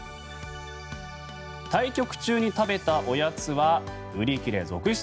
対局中に食べたおやつは売り切れ続出。